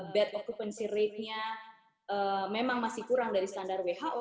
bad occupancy ratenya memang masih kurang dari standar who